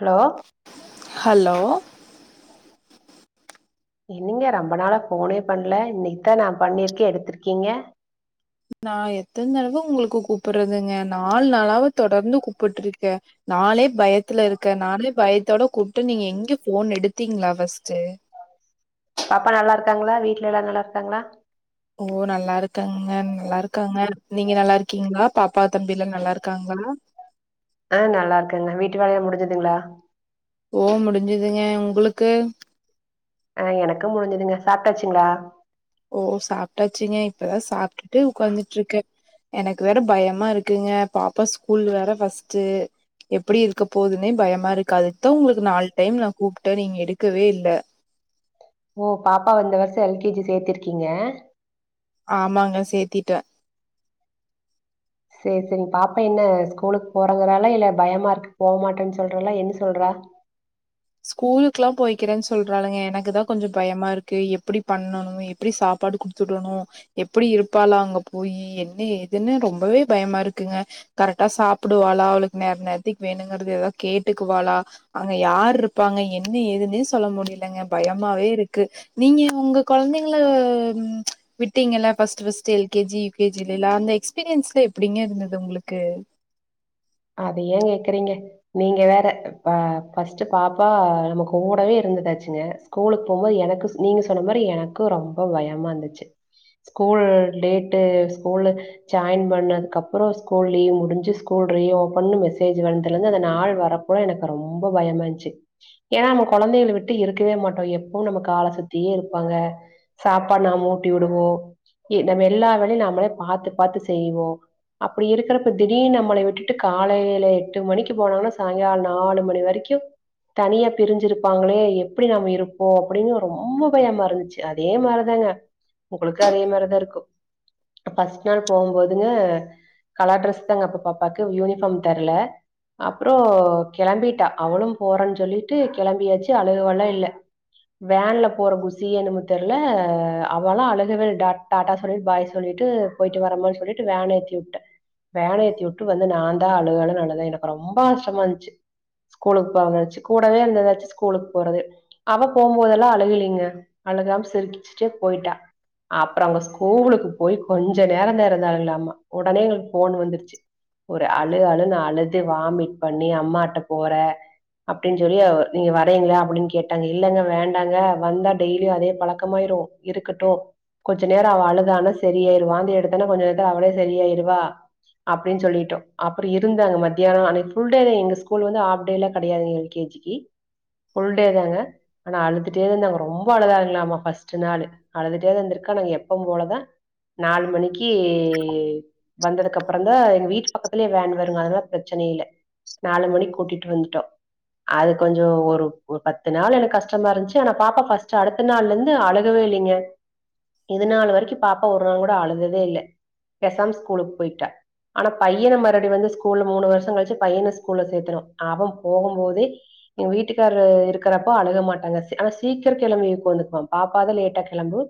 Hello hello என்னிங்க ரம்ப நாள போனே பண்ல இன்னிக்த்தா நா பண்ணிர்க்கே எடுத்துர்க்கீங்க நா எத்தன் தடவ உங்ளுக்கு கூப்புற்றதுங்க நால் நாளாவ தொடர்ந்து கூப்புட்ருக்கே நாளே பயத்துல இருக்க நாங்ளே பயத்தோட கூப்ட்டு நீங்க எங்கெ ஃபோன் எடுத்தீங்ளா ஃபஸ்ட்டு பாப்பா நல்லாருக்காங்ளா வீட்ல எல்லாரு நல்லாருக்காங்ளா ஓ நல்லாருக்காங்கங்க நல்லாருக்காங்க நீங்க நல்லாருக்கீங்ளா பாப்பா தம்பில்ல நல்லாருக்காங்ளா அ நல்லார்க்கங்க வீட்டு வேலயா முடிஞ்சுதுங்ளா ஓ முடிஞ்சுதுங்க உங்குளுக்கு அ எனக்கு முடிஞ்சுதுங்க சாப்ட்டாச்சுங்ளா ஓ சாப்ட்டாச்சுங்க இப்பதா சாப்ட்டுட்டு உக்காந்துட்ருக்கே எனக்கு வேற பயமா இருக்குங்க பாப்பா ஸ்கூல் வேற ஃபஸ்ட்டு எப்புடி இருக்க போதுன்னே பயமா இருக்கு அதுக்தா உங்களுக்கு நால் டைம் நா கூப்ட்ட நீங் எடுக்கவே இல்ல ஓ பாப்பாவ இந்த வருஷ எல் கே ஜி சேத்திருக்கீங்க ஆமாங்க சேத்திட்டே சேரி சேரி பாப்பா என்ன ஸ்கூலுக்கு போறங்றாலா இல்ல பயமாருக்கு போமாட்டன்னு சொல்றாலா என்ன சொல்றா ஸ்கூலுக்குலா போய்கிறேன்னு சொல்றாளுங்க எனக்குதா கொஞ்ச பயமாருக்கு எப்டி பண்ணணு எப்டி சாப்பாடு குடுத்துடணு எப்டி இருப்பாளா அங்க போயி என்ன எதுன்னு ரொம்பவே பயமாருக்குங்க கரெக்டா சாப்டுவாளா அவளுக்கு நேர நேரத்துக்கு வேணுங்கறது எதாது கேட்டுக்குவாளா அங்க யாருப் பபாங்க என்ன ஏதுன்னே சொல்ல முடிலங்க பயமாவே இருக்கு நீங்க உங்க கொழந்தைங்கள விட்டீங்கல ஃபர்ஸ்ட் ஃபஸ்ட்டு எல்கேஜி யுகேஜின்லா அந்த எக்ஸ்பீரியன்ஸ்ல எப்டிங்க இருந்தது உங்களுக்கு அத ஏன் கேக்குறீங்க நீங்க வேற ஃப ஃபஸ்ட்டு பாப்பா நம்ம கூடவே இருந்துட்டாச்சுங்க ஸ்கூலுக்கு போம்போது எனக்கு நீங்க சொன்ன மரி எனக்கு ரொம்ப பயமாந்துச்சு ஸ்கூல் டேட்டு ஸ்கூலு ஜாயின் பண்ணதுக்கப்ற ஸ்கூல் லீவ் முடிஞ்சு ஸ்கூல் ரீ ஒப்பன்னு மெசேஜ் வந்ததுலேந்து அந்த நாள் வரப்பலா எனக்கு ரொம்ப பயமாச்சு ஏனா நம்ம கொழந்தைகள விட்டு இருக்கவே மாட்டோ எப்பவு நம கால சுத்தியே இருப்பாங்க சாப்பாடு நாம ஊட்டி விடுவோ ஏ நம்ம எல்லா வேலையு நம்மளே பாத்து பாத்து செய்வோ அப்டி இருக்கறப்ப தீடீர் நம்மளை விட்டு ட்டு காலைல எட்டு மணிக்கு போனாங்னா சாங்கால நாலு மணி வரைக்கு தனியா பிரிஞ்சிருப்பாங்ளே எப்டி நாம இருப்போ அப்டின்னு ரொம்ப பயமாருந்துச்சி அதே மாரிதாங்க உங்களுக்கு அதே மாரிதா இருக்கு ஃபஸ்ட் நாள் போம்போதுங்க கலர் ட்ரெஸ் தாங்க அப்ப பாப்பாக்கு [unintelligible] ஸ்கூல் யூனிஃபார்ம் தர்ல அப்றொ கெளம்பிட்டா அவளு போறனு சொல்லிட்டு கெளம்பியாச்சி அழுக வெல்லா இல்ல வேன்ல போற குஷியோ என்னமோ தெரில அவளா அழுகவே இல்ல டாட் டாட்டா சொல்லிட் பாய் சொல்லிட்டு போயிட்டு வரேமானு சொல்லிட் வேன் ஏத்தி வுட்டே வேன் ஏத்தி வுட் ட்டு வந்து நா தா அழுஅழுனு அழுதே எனக்கு ரொம்ப கஷ்டமாந்ச்சு ஸ்கூலுக்கு போறதுனச்சி கூடவே இருந்தாச்சி ஸ்கூலுக்கு போறது அவ போம்போதெல்லா அழுகலீங்க அழுகாம சிரிச்சிட்டே போய்ட்டா அப்றம் அங்க ஸ்கூலுக்கு போய் கொஞ்ச நேரந்தா இருந்தாளுங்லாமா வொடனே எங்ளுக்கு போனு வந்ருச்சி ஒரு அழு அழுனு அழுது வாமிட் பண்ணி அம்மாட்ட போறே அப்டிஞ்சொல்லி அவ நீங்க வரேங்ளா அப்டினு கேட்டாங்க இல்லங்க வேண்டாங்க வந்தா டெய்லியு அதே பழக்கமாயிரு இருக்கட்டு கொஞ்ச நேர அவ அழுதானா சரியா ஆயிரு வாந்தி எடுத்தன்னா கொஞ்ச நேரத்துல அவளே சரியாயிருவா அப் அப்டினு சொல்லிட்டோ அப்றொ இருந்து அங்க மதியான அன்னக்கி ஃபுல் டே இங்க ஸ்கூல் வந்து ஆஃப் டேலா கெடையாதுங எல் கே ஜிக்கு ஃபுல்டே தாங்க ஆனா அழுதுட்டே இருந்தாங்க ரொம்ப அழுதாங்லாமா ஃபஸ்ட் நாளு அழுதுட்டே தாருந்திருக்கா நாங்க எப்ப போலதா நாலு மணிக்கி வந்ததுக்கப்றந்தா வீட்டு பக்கத்லே வேன் வருங்க அதெல்லா பிரச்ன இல்ல நாலு மணி கூட்டிட்டு வந்துட்டோ அது கொஞ்ச ஒரு ஒரு பத்து நாள் எனக்கு கஷ்டமாந்துச்சு ஆனா பாப்பா ஃபஸ்ட் அடுத்த நாள்லந்து அழுகவே இல்லங்க இது நாள் வரைக்கு பாப்பா ஒரு நாள் கூட அழுததே இல்ல பேசாம ஸ்கூலுக்கு போய்ட்டா ஆனா பையன மறுபடி வந்து ஸ்கூல்ல மூணு வருஷ கழிச்சி பையன ஸ்கூல்ல சேத்துரோ அவ போகம்போதே எங்க வீட்டுக்கார்ரு இருக்றப்போ அழுக மாட்டாங்க ஆனா சீக்ர கெளம்பி உக்காந்துக்குவா பாப்பா தா லேட்டா கெளம்பு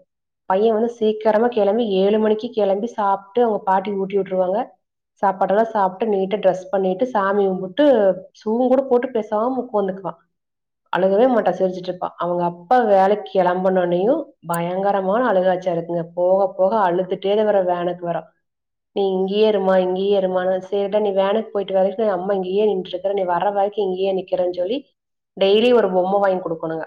பைய வந்து சீக்ரமா கெளம்பி ஏழு மணிக்கு கெளம்பி சாப்ட்டு அவங்க பாட்டி ஊட்டி வுட்டுருவாங்க சாப்பாடெல்லா சாப்ட்டு நீட்டா ட்ரெஸ் பண்ணிட்டு சாமி கும்புட்டு சூவுங்கூட போட் பேசாம உக்காந்துக்குவா அழுகவே மாட்டா சிரிச்சிட்ருப்பா அவங்க அப்பா வேலைக்கு கெளம்புநொன்னயு பயங்கரமான அழுகாச்சியாருக்குங்க போக போக அழுதுட்டே தா வரா வேனுக்கு வரா நீ இங்கயே இருமா இங்கே இருமானு சேரிடா நீ வேனுக்கு போயிட்டு வர்ற வரை அம்மா இங்கெயே நின்ட்டு இருக்ற நீ வர்ற வரைக்கு இங்கெயே நிக்கிறே சொல்லி டெய்லி ஒரு பொம்ம வாங்கி குடுக்கணுங்க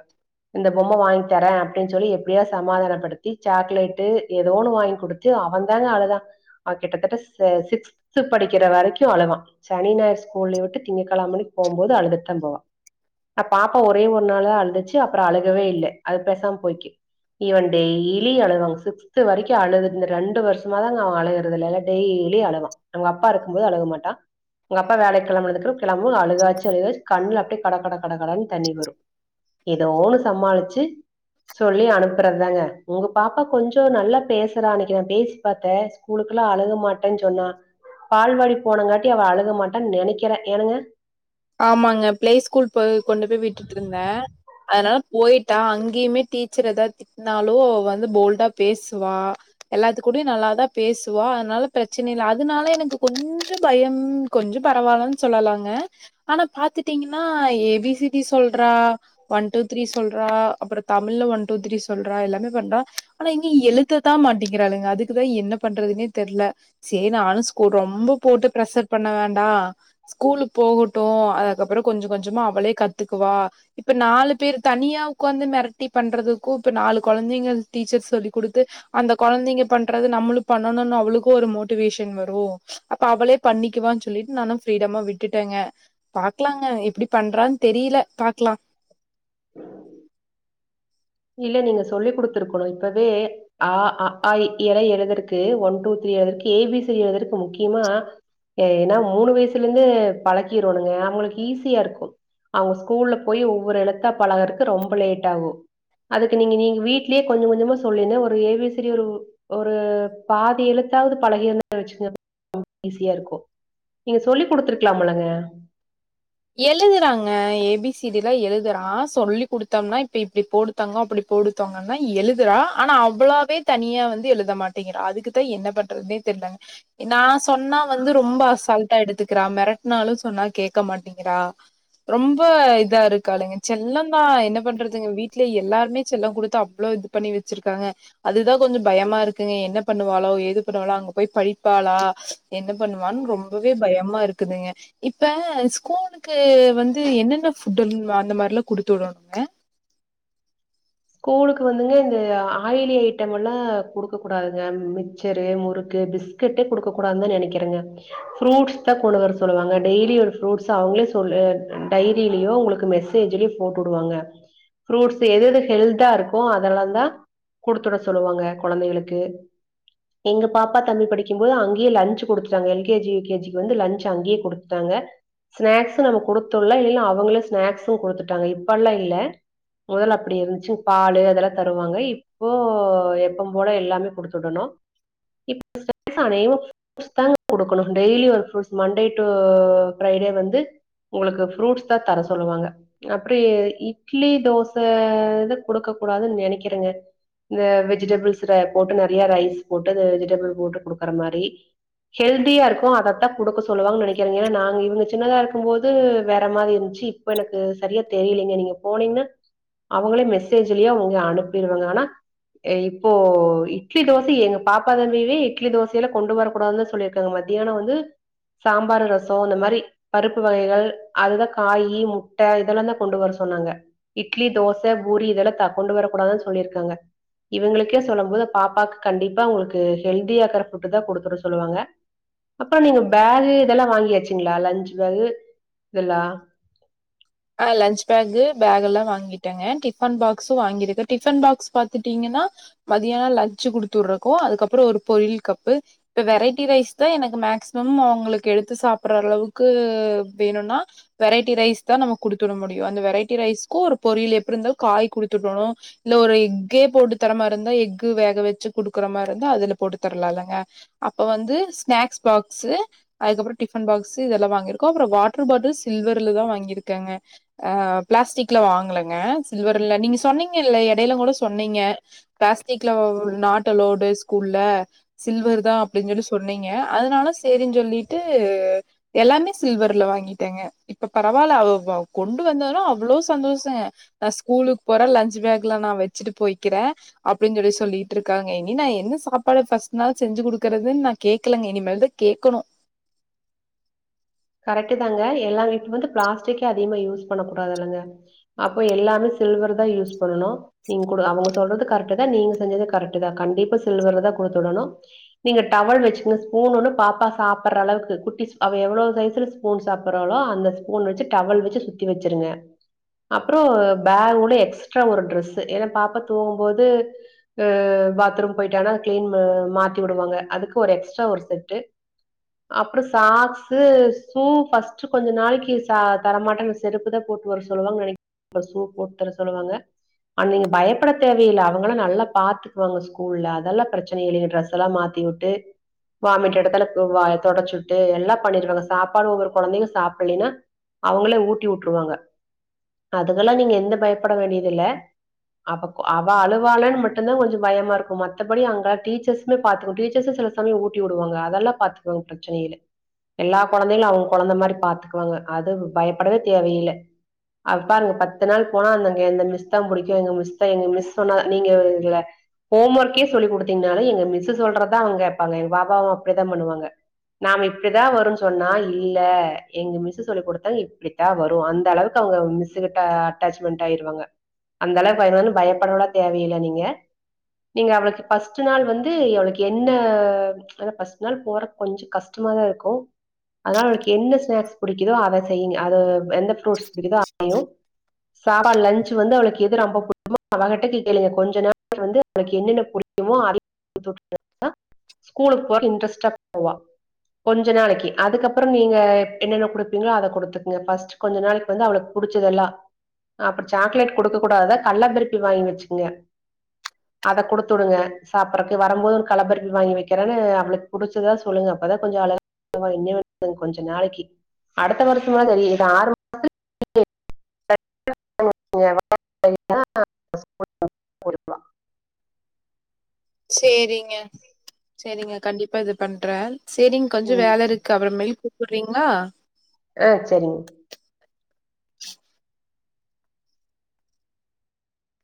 இந்த பொம்ம வாங்கி தரே அப்டின் சொல்லி எப்டியாவது சமாதானப்படுத்தி சாக்லேட்டு எதோ ஒண்ணு வாங்கி குடுத்து அவெதாங்க அழுதா அவெ கிட்டத்தட்ட ச சிக்ஸ்த் படிக்ற வரைக்கு அழுவா சனி ஞாயிறு ஸ்கூல் லீவ் விட்டு திங்க கெழம அன்னாக்கி போம்போது அழுதுட்தா போவா ஆனா பாப்பா ஒரே ஒரு நாளுதா அழுதுச்சி அப்றோ அழுகவே இல்ல அது பேசாம போய்க்கு இவெ டெய்லி அழுவாங்க சிக்ஸ்த் வரைக்கு அழுது இந்த ரெண்டு வருஷமாதாங்க அவெ அழுகுறது இ்ல்ல இல்லனா டெய்லி லி அழுவான் அவங்க அப்பா இருக்கு போது அழுக மாட்டா அவங்க அப்பா வேலக்கி கெளம்புனதுக்கப்ற கெளம்பனு அழுகாச்சி அழுகாச்சி கண்ணுல அப்டி கடகட கடகடனு தண்ணி வரும் எதோ ஒண்ணு சமாளிச்சி சொல்லி அனுப்புறதாங்க உங்க பாப்பா கொஞ்சொ நல்லா பேசுறானு நெனக்றே பேசி பாத்தே ஸ்கூலுக்குலா அழுக மாட்டே டேனு சொன்னா பால்வாடி போனங்காட்டி அவ அழுக மாட்டா நெனைக்றே ஏனுங்க ஆமாங்க பிளே ஸ்கூல் போய் கொண்டு போய் விட்டுட்ருந்தே அதனால போய்ட்டா அங்கெயுமே டீச்சர் எதாது திட்னாலோ வந்து போல்டா பேசுவா எல்லாத்து கூடொயு நல்லாதா பேசுவா அதனால பிரச்ன இல்ல அதனால எனக்கு கொஞ்ச பயம் கொஞ்ச பரவாயில்லனு சொல்லலாங்க ஆனா பாத்துட்டீங்னா ஏபிசிடி சொல்றா ஒன் டூ த்ரீ சொல்றா அப்ற தமிழ்ல ஒன் டூ த்ரீ சொல்றா எல்லாமே பண்றா ஆனா இங்கெ எழுத தா மாட்டேங்றாளுங்க அதுக்குதா என்ன பண்றதுனே தெர்ல செரி நானு ஸ்கூல் ரொம்ப போட்டு பிரெஷர் பண்ண வேண்டா ஸ்கூலுக்கு போகட் டும் அதக்கப்பற கொஞ்ச கொஞ்சமா அவளே கத்துக்குவா இப்ப நாலு பேர் தனியா உக்காந்து மெரட்டி பண்றதுக்கு இப்ப நாலு கொழந்தைங்க டீச்சர் சொல்லி குடுத்து அந்த கொழந்தைங்க பண்றது நம்மளு பண்ணணும்னு அவளுக்கு ஒரு மோட்டிவேஷன் வரு அப்ப அவளே பண்ணிக்குவானு சொல்லி நானு ஃப்ரீடமா விட்டுட்டேங்க பாக்லாங்க எப்டி பண்றான் தெரீல பாக்லா இல்ல நீங்க சொல்லி குடுத்ருக்கணு இப்பவே ஆ அஆஇஈ எல்லா எழுதறதுக்கு ஒன் டூ த்ரீ வரைக்கி ஏபிசி எழுதறதுக்கு முக்யமா ஏன்னா மூணு வயசுலந்து பழக்கிரனுங்க அவங்களுக்கு ஈஸியாருக்கூ அவங்க ஸ்கூல்ல போய் ஒவ்வொரு எழுத்தா பழகறக்கு ரொம்ப லேட்டாகு அதுக்கு நீங்க நீங்க வீட்லே கொஞ்ச கொஞ்சமா சொல்லிந்த ஒரு ஏபிசிடி ஒரு பாதி எழுத்தாவது பழகிருந்தா வச்சுக்கிங்க ஈஸியாருக்கு நீங்க சொல்லி குடுத்துருக்லாமல்லங்க எழுதுறாங்க ஏபிசிடிலா எழுதுறா சொல்லி குடுத்தம்னா இப்ப இப்டி போடு தங்கம் அப்டி போடு தங்கம்னா எழுதுறா ஆனா அவளாவ்வே தனியா வந்து எழுத மாட்டேங்கறா அதுக்குதா என்ன பண்றதென்னே தெர்லங் நா சொன்னா வந்து ரொம்ப அசால்ட்டா எடுத்துக்றா மெரட்னாலு சொன்னா கேட்க மாட்டேங் க்றா ரொம்ப இதாருக்காளுங்க செல்லந்தா என்ன பண்றதுங்க வீட்ல எல்லாருமே செல்ல குடுத்து அவ்ளோ இது பண்ணி வச்சிருக்காங்க அதுதா கொஞ்ச பயமாருக்குங்க என்ன பண்ணுவாளோ ஏது பண்ணுவாளோ அங்க போய் படிப்பாளா என்ன பண்ணுவான் ரொம்பவே பயமாருக்குதுங்க இப்ப கூலுக்கு வந்து என்னென்ன ஃபுட் அந்த மாதிரிலா குடுத்து வுடணுங்க ஸ்கூலுக்கு வந்துங்க இந்த ஆயிலி ஐட்ட எல்லா குடுக்க கூடாதுங்க மிட்சரு முறுக்கு பிஸ்கட்டே குடுக்க கூடாதுனுதா நெனைக்றேங்க ஃப்ரூட்ஸ் தா கொண்டு வர சொல்லுவாங்க டெய்லி ஒரு ஃப்ரூட்ஸ் அவங்களே சொல் ஆ டைரிலயோ உங்களுக்கு மெசேஜ்லயோ போட்டு வுடுவாங்க ஃப்ரூட்ஸ் எதெது ஹெல்த்தாருக்கு அதெல்லா தா குடுத்துட சொல்லுவாங்க கொழந்தளுக்கு எங்க பாப்பா தம்பி படிக்கம்போது அங்கே லஞ்ச் குடுத்துட்டாங்க L K G U K G க்கு வந்து லஞ்ச் அங்கே குடுத்துட்டாங்க ஸ்நாக்ஸு நம்ம குடுத்துவுட்லா இல்லன்னா அவங்களே ஸ்நாக்ஸும் குடுத்துட்டாங்க இப்பெல்லா இல்ல மொதல்ல அப்டி இருந்து சு பாலு அதெல்லா தருவாங்க இப்போ எப்பம்போல எல்லாமே குடுத்து வுடணு இப்ப [unintelligible] அநேகமாக ஃப்ரூட்ஸ் தாங்க குடுக்கணும் டெய்லி ஒரு ஃப்ரூட்ஸ் மண்டே டூ ஃப்ரைடே வந்து உங்களுக்கு ஃப்ரூட்ஸ்தா தர சொல்லுவாங்க அப்டி இட்லி தோச இத குடுக்க கூடாதுனு நெனைக்றங்க இந்த வெஜிடபிள்ஸ் போட்டு நெறையா ரைஸ் போட்டு இந்த வெஜிடபிள் போட்டு குடுக்கற மாரி ஹெல்தியாருக்கு அதத்தா குடுக்க சொல்லுவாங்க நெனைக்றே ஏனா நாங்க இவங்க சின்னதா இருக்கம்போது வேற மாதிரிந்துச்சி இப்ப எனக்கு சரியா தெரிலிங்க நீங்க போனீங்கனா அவங்களே மெசே சேஜ்லே அவங்க அனுப்பிருவாங்க ஆனா இப்போ இட்லி தோச எங்க பாப்பா தம்பியவே இட்லி தோசையெல்லா கொண்டு வரக்கூடாதுனுதா சொல்லிருக்காங்க மத்தியான வந்து சாம்பாரு ரசோ இந்த மாரி பருப்பு வகைகள் அதுல காயி முட்ட இதெல்லா தா கொண்டு வர சொன்னாங்க இட்லி தோச பூரி இதெல்லா த கொண்டு வரக்கூடாதுனு சொல்லிருக்காங்க இவங்ளுக்கே சொல்லம்போது பாப்பாக்கு கண்டிப்பா ஒங்ளுக்கு ஹெல்தியாருக்கற ஃபுட் தா குடுத்துவிட சொல்லுவாங்க அப்ற நீங்க பேகு இதெல்லா வாங்கியாச்சுங்ளா லஞ்ச் பேகு இதெல்லா ஆ லஞ்ச் பேகு பேக் எல்லா வாங்கிட்டேங்க டிஃபன் பாக்ஸும் வாங்கிருக்க டிஃபன் பாக்ஸ் பாத்துட்டீங்னா மதியான லஞ்ச் குடுத்து வுட்றக்கு அதக்கப்புற ஒரு பொரியல் கப்பு இப்ப வெரைட்டி ரைஸ் தா எனக்கு மேக்சிமம் அவங்களுக்கு எடுத்து சாப்ட்ற அளவுக்கு வேணுனா வெரைட்டி ரைஸ் தா நாம குடுத்துட முடியு அந்த வெரைட்டி ரைஸ்க்கூ ஒரு பொரியல் எப்டி இருந்த காய் குடுத்துவுடணு இல்ல ஒரு எக்கே போட்டு தர மாரி இருந்தா எக்கு வேக வச்சு குடுக்குற மாரி இருந்தா அதுல போட்டு தரலாலங்க அப்ப வந்து ஸ்நாக்ஸ் பாக்சு அதுக்கப்பற டிஃபன் பாக்சு இதெல்லா வாங்கீருக்கோ அப்புற வாட்டர் பாட்டில் சில்வர்ல தா வாங்கிரு கேங்க ஆ பிளாஸ்டிக்ல வாங்கலங்க சில்வர்ல நீங்க சொன்னீங்கில்ல எடைல கூட சொன்னீங்க பிளாஸ்டிக்ல நாட் அலோவ்டு ஸ்கூல்ல சில்வர் தா அப்டின் சொல்லி சொன்னீங்க அதனால சேரின்ஞ் சொல்லிட்டு எல்லாமே சில்வர்ல வாங்கிட்டேங்க இப்ப பரவால்ல அவ அவ கொண்டு வந்தது அவ்ளோ சந்தோஷங்க நா ஸ்கூலுக்கு போறே லஞ்ச் பா லஞ்ச் பேக்ல நா வச்சுட்டு போய்க்கிறே அப்டிஞ் சொல்லி சொல்லிட்ருக்காங்க [unintelligible] என்ன சாப்பாடு ஃபஸ்ட் நாள் செஞ்சி குடுக்கறதுனு நா கேக்கலங்க இனிமேல்தா கேக்கணு கரெக்ட்டு தாங்க எல்லா [unintelligible] வந்து பிளாஸ்டிக்கே அதிகமா யூஸ் பண்ண கூடாதுல்லங்க அப்ப எல்லாமே சில்வர் தா யூஸ் பண்ணணு நீங் கூட அவங்க சொல்றது கரெக்ட் தா நீங்க செஞ்சது கரெக்ட் தா கண்டிப்பா சில்வர்ல தா குடுத்து வுடணு நீங்க டவல் வச்சினுங்க ஸ்பூன் ஒண்ணு பாப்பா சாப்புட்ற அளவுக்கு குட்டி சு அவ எவ்ளோ சைஸ் [unintelligible] ஸ்பூன் சாப்ட்றாளோ அந்த ஸ்பூன் வச்சி டவல் வச்சி சுத்தி வச்சிருங்க அப்ற பேக்கோட எக்ஸ்ட்ரா ஒரு ட்ரெஸ் ஏனா பாப்பா தூங்கும்போது ஆ பாத்ரூம் போயிட்டானா அத கிளீன் பா மாத்தி வுடுவாங்க அதுக்கு ஒரு எக்ஸ்ட்ரா ஒரு செட்டு அப்ற சாக்சு ஸூ பஸ்ட் கொஞ்ச நாளைக்கி சா தரமாட்டாங்க செருப்புதா போட்டு வர சொல்லுவாங்க நெனைக்றே. அப்றோ ஷூ போட்டு வர சொல்லுவாங்க. ஆனா நீங் பயப்பட தேவையில்ல. அவங்கல்லா நல்லா பாத்துக்குவாங்க ஸ்கூல்ல. அதெல்லா பிரச்னை இல்லீங்க. ட்ரெஸெல்லா மாத்திவுட்டு, வாமிட் எடுத்தாலு ம் வாய தொடச்சிவிட்டு எல்லா பண்ணிருவாங்க சாப் தாலும் உங்க கொழந்தைங்க சாப்லைன்ன அவுங்களே ஊட்டி உட்ருவாங்க. அதுக்கெல்லா நீங்க எந்த பயப்பட வேண்டியது இல்ல. அவ அழுவாலான்னு மட்டுந்தா கொஞ்சோ பயமாருக்கு மத்தபடி அங்க டீச்சர்ஸுமே பாத்துக்கு டீச்சர்ஸும் சில சமயம் ஊட்டி உடுவாங்க. அதெல்லா பாத்துக்குவாங்க பிரச்னை இல்ல எல்லா கொழந்தைங்கள அவுங்க கொழந்த மாரி பாத்துக்குவாங்க அது பயப்படவே தேவையில்ல அவ பாருங்க பத்து நாள் போனா அந்-அந்-அந்த இந்த மிஸ் தா புடிக்கு இந்த எங்க மிஸ் தா எங்க மிஸ் சொன்னா நீங்க கொஞ்சோ ஹோம் ஒர்க்கே சொல்லிக் குடுத்தீங்கன்னாலு எங்க மிஸ் சொல்றதா அவுங்க கேப்பாங்க எங்க பாப்பாவும் அப்டிதா பண்ணுவாங்க நாமு இப்டிதா வரும் சொ சொன்னா இல்ல எங்க மிஸ் சொல்லிக் குடுத்தது இப்டித்தா வரும் அந்த அளவுக்கு அவுங்க மிஸ்ஸுகிட்ட அட்டாச்மெண்ட் ஆயிருவாங்க அந்த அளவுக்கு ஆயிருவாங்கனு பயப்படனுல்லா தேவையில்ல நீங்க நீங்க அவளுக்கு பஸ்ட் நாள் வந்து அவளுக்கு என்ன ஏனா பஸ்ட் நாள் போறதுக்கு கொஞ்சோ கஷ்டமாதா இருக்கு அதனால அவளுக்கு என்ன ஸ்நாக்ஸ் புடிக்குதோ அத செய்யுங்க அதத எந்த ஃப்ரூட்ஸ் புடிக்குதோ அதயு சாதா லன்ச்சு வந்து அவுளுக்கு எது ரொம்ப புடிக்குமோ அவகிட்ட கி கேளுங்க கொஞ்சோ நாள் வந்து அவுளுக்கு என்னென்ன பிடிக்குமோ [inaudible] ஸ்கூலுக்கு போறது இன்ட்ரெஸ்ட்டா போவ்வா கொஞ்ச நாளிக்கி அதுக்கப்புறோ நீங்க இப் என்னென்ன குடுப்பீங்குளோ அத கொடுத்துக்குங்க ஃபஸ்ட் கொஞ்ச நாளிக்கி வந்து அவுளுக்கு புடிச்சதெல்லா அப்புறோ சாக்லேட் கொடுக்க கூடாதுதா கள்ளப்பருப்பி வாங்கி வெச்சுங்க அத குடுத்துடுங்க சாப்பிறதுக்கு வரும்போது கள்ளப்பருப்பி வாங்கி வெக்கிறேனு அவுளுக்கு புடிச்சுதா சொல்லுங்க அப்பதா கொஞ்சோ அழ [inaudible] கொஞ்சோ நாளிக்கி அடுத்த வருஷம்லா தெரியு [inaudible] [inaudible] சேரிங்க சேரிங்க கண்டிப்பா இது பண்றே சேரிங்க கொஞ்சோ ம் வேல இருக்கு அப்புற மேல் கூப் சொல்றீங்குளா அ சேரிங்க